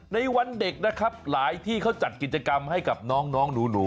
ในวันเด็กนะครับหลายที่เขาจัดกิจกรรมให้กับน้องหนู